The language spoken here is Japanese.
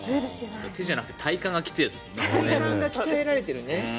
手じゃなくて体幹がきついやつですね。